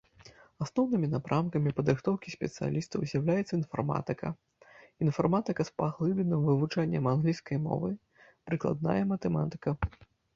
Асноўнымі напрамкамі падрыхтоўкі спецыялістаў з'яўляецца інфарматыка, інфарматыка з паглыбленым вывучэннем англійскай мовы, прыкладная матэматыка.